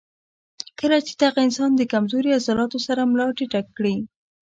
کله چې دغه انسان د کمزوري عضلاتو سره ملا ټېټه کړي